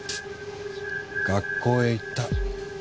学校へ行った。